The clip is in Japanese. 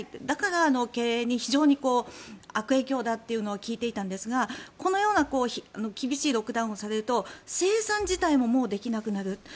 だから、経営に非常に悪影響だというのを聞いていたんですがこのような厳しいロックダウンをされると生産自体ももうできなくなる。